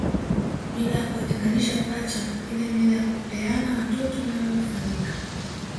Mila ya kuwatenganisha pacha ile mila ya kupeana watoto nayo hufanyika